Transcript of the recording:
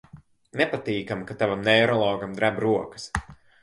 Nepatīkami, kad tavam neirologam dreb rokas.